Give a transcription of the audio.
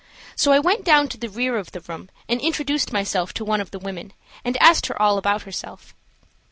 So I went down to the rear of the room and introduced myself to one of the women, and asked her all about herself.